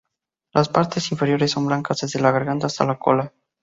Las partes inferiores son blancas desde la garganta hasta la cola.